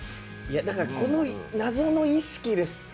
この謎の意識ですって。